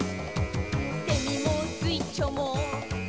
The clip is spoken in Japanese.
「セミもスイッチョも」